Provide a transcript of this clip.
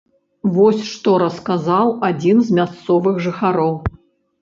Вось што расказаў адзін з мясцовых жыхароў.